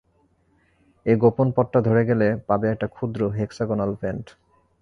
এই গোপন পথটা ধরে গেলে পাবে একটা ক্ষুদ্র হেক্সাগোনাল ভেন্ট।